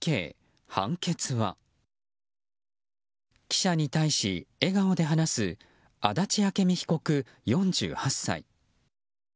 記者に対し笑顔で話す足立朱美被告、４８歳。